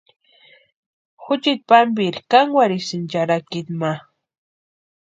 Juchiti pampiri kankwarhsïnti charhakituni ma.